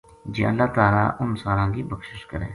جے اللہ تعالیٰ اُنھ ساراں کی بخشش کرے